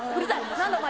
何だお前